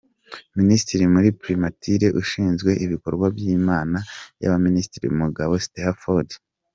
Minisitiri muri Primature ushinzwe Ibikorwa by’Inama y’Abaminisitiri : Mugabo Stella Ford